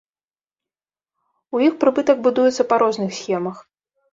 У іх прыбытак будуецца па розных схемах.